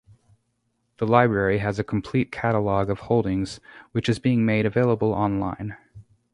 The library has a complete catalogue of holdings, which is being made available online.